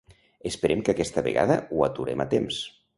Esperem que aquesta vegada ho aturem a temps.